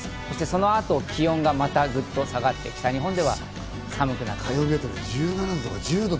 そのあと気温がまたぐっと下がって北日本では寒くなります。